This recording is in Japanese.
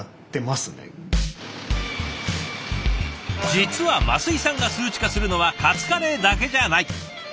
実は升井さんが数値化するのはカツカレーだけじゃない。